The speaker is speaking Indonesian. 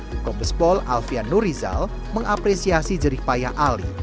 bukom bespol alfian nur rizal mengapresiasi jerih payah ali